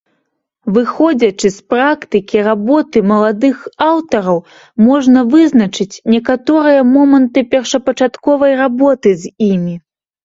Выходзячы з практыкі работы маладых аўтараў, можна вызначыць некаторыя моманты першапачатковай работы з імі.